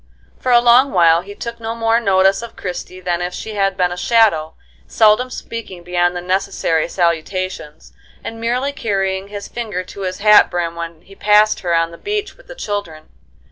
For a long while he took no more notice of Christie than if she had been a shadow, seldom speaking beyond the necessary salutations, and merely carrying his finger to his hat brim when he passed her on the beach with the children.